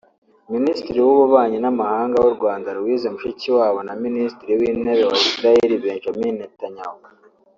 Minisitiri w’Ububanyi n’Amahanga w’u Rwanda Louise Mushikiwabo na Minisitiri w’Intebe wa Israel Benjamin Netanyahu